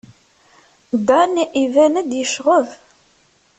Dan iban-d yecɣeb.